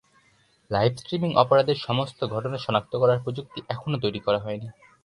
Live streaming অপরাধের সমস্ত ঘটনা সনাক্ত করার প্রযুক্তি এখনও তৈরি করা হয়নি।